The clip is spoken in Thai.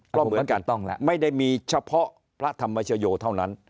ก็เหมือนกันต้องแล้วไม่ได้มีเฉพาะพระธรรมชโยเท่านั้น